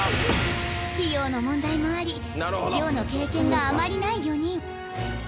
費用の問題もあり漁の経験があまりない４人